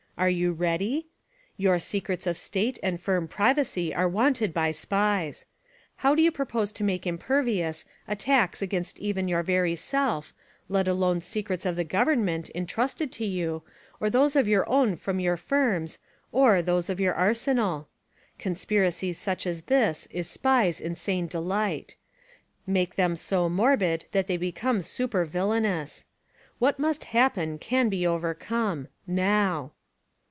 Are you ready? Your secrets of state and firm privacy are wanted by SPIES. How do you propose to make impervious attacks against even your very self, let alone secrets of the government (in trusted to you) or those of 3^our own or your firm's or, those of your arsenal? Conspiracy such as this is SPIES insane delight : Make them so morbid that the}' become super villainous. What must happen can be overcome — NOW